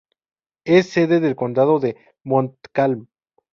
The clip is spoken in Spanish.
Es sede del condado de Montcalm.